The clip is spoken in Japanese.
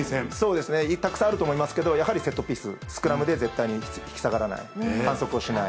たくさんあると思いますけど、セットピース、スクラムで絶対に引き下がらない、反則をしない。